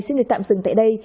xin được tạm dừng tại đây